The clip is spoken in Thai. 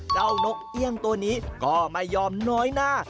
นกเอี่ยงตัวนี้ก็ไม่ยอมน้อยหน้า